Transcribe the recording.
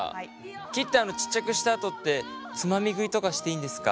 切ってちっちゃくしたあとってつまみ食いとかしていいんですか？